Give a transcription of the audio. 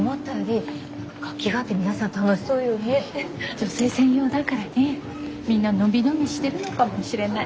女性専用だからねみんな伸び伸びしてるのかもしれない。